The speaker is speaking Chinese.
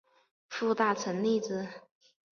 副大臣贰之。